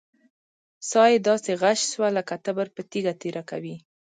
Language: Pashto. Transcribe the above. سا يې داسې غژس کوه لک تبر په تيږه تېره کوې.